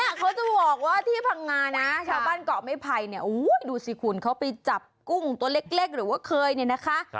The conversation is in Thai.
เขาจะบอกว่าที่พังงานะชาวบ้านเกาะไม่ไผ่เนี่ยดูสิคุณเขาไปจับกุ้งตัวเล็กหรือว่าเคยเนี่ยนะคะ